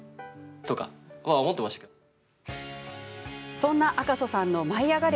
そんな赤楚さんの「舞いあがれ！」